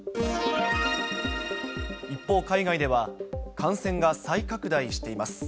一方、海外では、感染が再拡大しています。